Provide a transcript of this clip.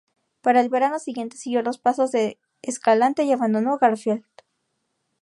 Para el verano siguiente siguió los pasos de Escalante y abandonó Garfield.